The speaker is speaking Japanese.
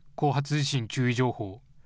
地震注意情報。